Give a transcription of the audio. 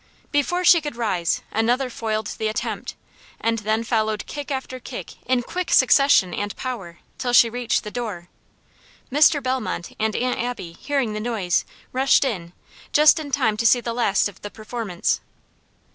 Before she could rise, another foiled the attempt, and then followed kick after kick in quick succession and power, till she reached the door. Mr. Bellmont and Aunt Abby, hearing the noise, rushed in, just in time to see the last of the performance.